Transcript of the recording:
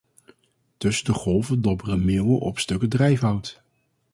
Tussen de golven dobberen meeuwen op stukken drijfhout.